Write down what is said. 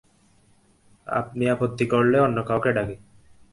আপনি আপত্তি করলে অন্য কাউকে ডাকি!